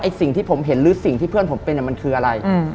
สิ่งที่ผมเห็นหรือสิ่งที่เพื่อนผมเป็นมันคืออะไร